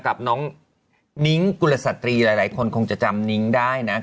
กับน้องนิ้งกุลสตรีหลายคนคงจะจำนิ้งได้นะ